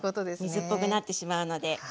水っぽくなってしまうので。